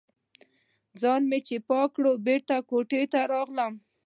ځان مې چې پاک کړ، بېرته کوټې ته راغلم.